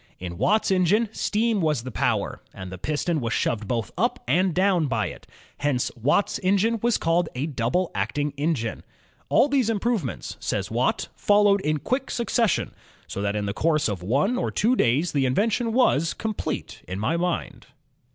In Watt's engine steam was the power, and the piston was shoved both up and down by it; hence Watt's engine was called a double acting engine. "All these improvements," says Watt, followed ... in quick succession, so that in the course of one or two days the invention was ... complete in my mind."